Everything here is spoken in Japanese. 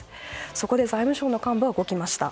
そこで財務省の幹部は動きました。